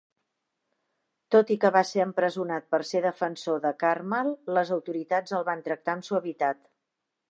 Tot i que va ser empresonat per ser defensor de Karmal, les autoritats el van tractar amb suavitat.